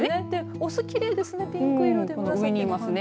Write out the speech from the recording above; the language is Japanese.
雄きれいですねピンク色で。